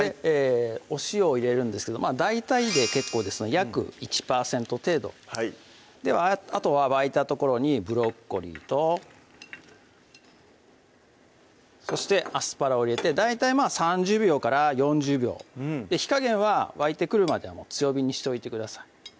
お塩を入れるんですけど大体で結構です約１％程度はいあとは沸いたところにブロッコリーとそしてアスパラを入れて大体まぁ３０秒４０秒火加減は沸いてくるまでは強火にしておいてください